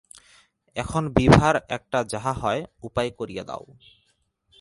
এখন বিভার একটা যাহা হয় উপায় করিয়া দাও।